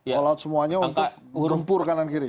all out semuanya untuk gempur kanan kiri